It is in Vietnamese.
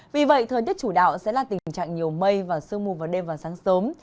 vì vậy thời tiết chủ đạo sẽ là tình trạng nhiều mây và sương mù vào đêm và sáng sớm